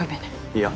いや。